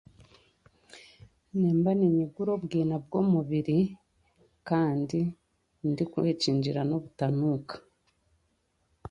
Nimba ninyigura obwina bw'omubiiri kandi ndi kw'ekyengera n'obutanuuka.